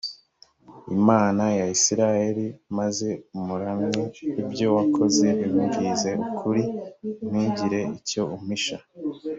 imana ya israheli, maze umuramye! ibyo wakoze bimbwize ukuri, ntugire icyo umpisha.